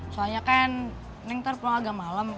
soalnya kan neng ntar pulang agak malem